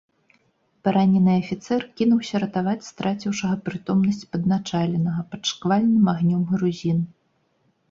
Паранены афіцэр кінуўся ратаваць страціўшага прытомнасць падначаленага пад шквальным агнём грузін.